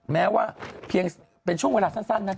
แม้ว่าเพียงเป็นช่วงเวลาสั้นนั้น